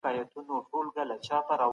د ژوند حق په نړیوالو قوانینو کي سته.